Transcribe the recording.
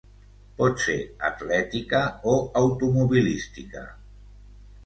Pot ser atlètica o automobilística.